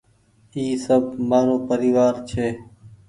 اي سب مآرو پريوآر ڇي ۔